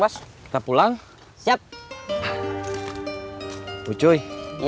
jack bold terlalu kalibu juga neng